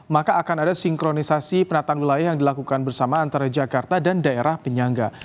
maka akan ada sinkronisasi penataan wilayah yang dilakukan bersama antara jakarta dan daerah penyangga